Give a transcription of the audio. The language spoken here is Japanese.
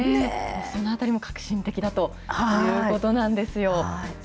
そのあたりも革新的だということなんですよ。